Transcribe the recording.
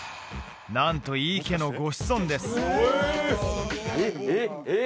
なんと井伊家のご子孫ですえっ！